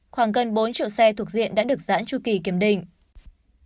khoảng gần bốn triệu xe thuộc diện đã được giãn chu kỳ kiểm định